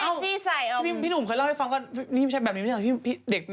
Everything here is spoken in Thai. เด็กในบ้านที่บนต้องใส่แบบนี้ไม่ใช่หรือคะ